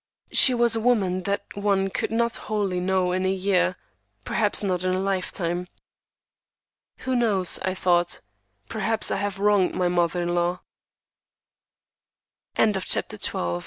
She was a woman that one could not wholly know in a year, perhaps not in a lifetime. "Who knows?" I thought; "perhaps I have wronged my mother in law." CHAPTER XIII. A SURPRISE.